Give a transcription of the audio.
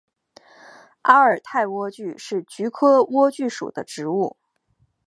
阿尔泰莴苣是菊科莴苣属的植物。